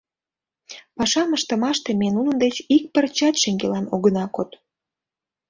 Пашам ыштымаште ме нунын деч ик пырчат шеҥгелан огына код.